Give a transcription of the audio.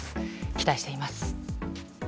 期待しています。